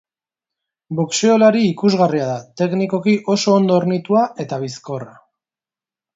Boxeolari ikusgarria da, teknikoki oso ondo hornitua eta bizkorra.